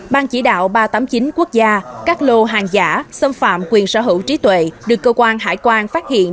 ban chỉ đạo ba trăm tám mươi chín quốc gia các lô hàng giả xâm phạm quyền sở hữu trí tuệ được cơ quan hải quan phát hiện